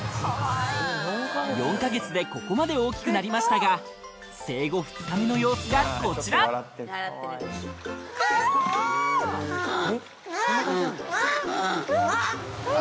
４か月でここまで大きくなりましたが生後２日目の様子がこちらかわいい！